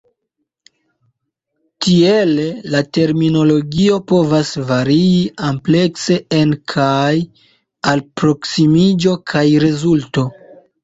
Tiele, la terminologio povas varii amplekse en kaj alproksimiĝo kaj rezulto.